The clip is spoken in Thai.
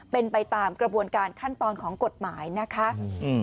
เป็นไปตามกระบวนการขั้นตอนของกฎหมายนะคะอืม